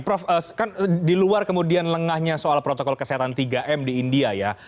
prof kan di luar kemudian lengahnya soal protokol kesehatan tiga m di india ya